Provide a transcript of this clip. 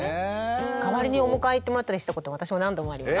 代わりにお迎え行ってもらったりしたこと私も何度もあります。